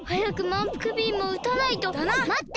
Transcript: まって！